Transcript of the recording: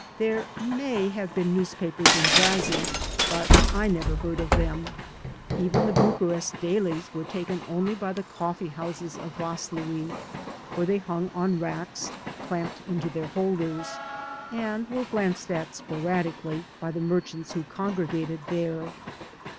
There may have been newspapers in Jassy, but I never heard of them. Even the Bucharest dailies were taken only by the coflFee houses of Vaslui, where they hung on racks clamped into their holders, and were glanced at sporadically by the merchants who congregated there.